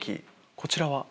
こちらは？